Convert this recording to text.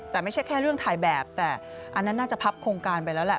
แต่ไม่ใช่แค่เรื่องถ่ายแบบแต่อันนั้นน่าจะพับโครงการไปแล้วแหละ